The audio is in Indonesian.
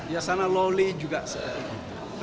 yasona lauli juga